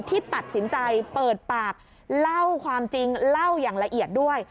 ที่ตัดสินใจเปิดปากเล่าความจริงเล่าอย่างละเอียดด้วย